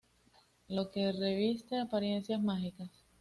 Lo que reviste apariencias mágicas.